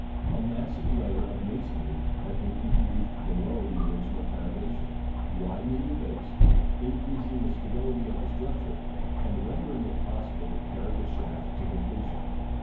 A massive layer of masonry has been introduced below the original foundation, widening the base, increasing the stability of the structure, and rendering it possible to carry the shaft to completion.